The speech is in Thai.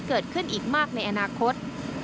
เกิดขึ้นอีกมากในอนาคต